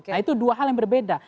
nah itu dua hal yang berbeda